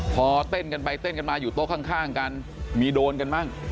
พอเต้นกันไปเต้นกันมาอยู่โต๊ะข้างกันมีโดนกันบ้าง